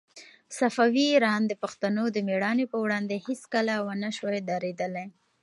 صفوي ایران د پښتنو د مېړانې په وړاندې هيڅکله ونه شوای درېدلای.